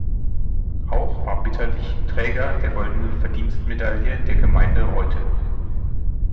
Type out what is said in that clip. Auch war Bitterlich Träger der goldenen Verdienstmedaille der Gemeinde Reutte.